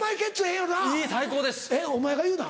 えっお前が言うな。